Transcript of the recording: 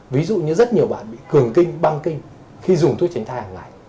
ví dụ như rất nhiều bạn bị cường kinh băng kinh khi dùng thuốc chiến thai hàng ngày